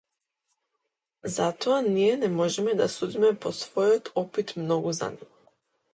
Затоа ние не можеме да судиме по својот опит многу за него.